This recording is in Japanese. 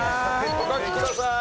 お書きください。